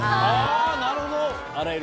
なるほど。